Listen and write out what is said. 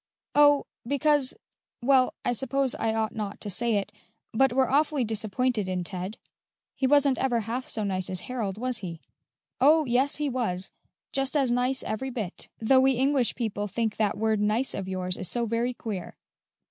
"Oh, because well, I suppose I ought not to say it, but we're awfully disappointed in Ted. He wasn't ever half so nice as Harold, was he?" "Oh, yes, he was just as nice every bit; though we English people think that word nice of yours is so very queer.